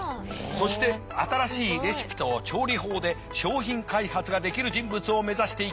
そして新しいレシピと調理法で食品開発ができる人物を目指していきます。